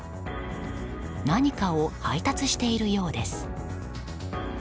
何かを配達しているようです。